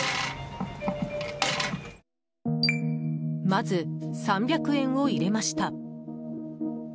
まず３００円を入れました。